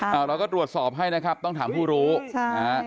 เราก็ตรวจสอบให้ต้องถามผู้รู้